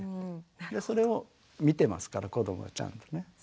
それを見てますから子どもはちゃんとね。